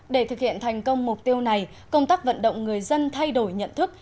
để thực hiện thành công mục tiêu này công tác vận động người dân thay đổi nhận thức